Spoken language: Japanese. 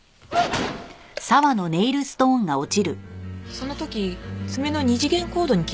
その時爪の二次元コードに気づきました。